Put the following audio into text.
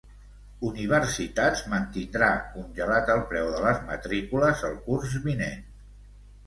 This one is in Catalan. Universitats mantindrà congelat el preu de les matrícules el curs vinent.